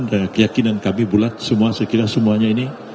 dan keyakinan kami bulat semua sekiranya semuanya ini